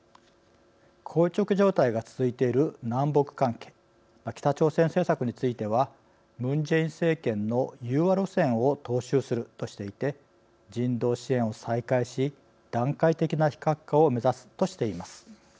こう着状態が続いている南北関係、北朝鮮政策についてはムン・ジェイン政権の融和路線を踏襲するとしていて人道支援を再開し段階的な非核化を目指すとしています。